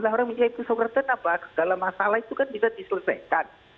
orang yang menyintai itu sepertinya bahwa segala masalah itu kan tidak diselesaikan